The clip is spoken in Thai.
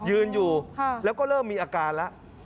ยืนอยู่แล้วก็เริ่มมีอาการแล้ว